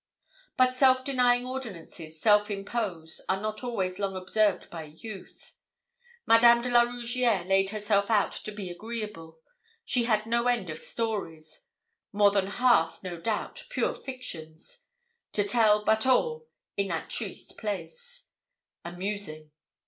But self denying ordinances self imposed are not always long observed by youth. Madame de la Rougierre laid herself out to be agreeable; she had no end of stories more than half, no doubt, pure fictions to tell, but all, in that triste place, amusing.